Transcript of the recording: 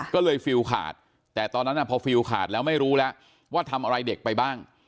ก็เลยฟิลขาดแต่ตอนนั้นพอฟิลขาดแล้วไม่รู้แล้วว่าทำอะไรเด็กไปบ้าง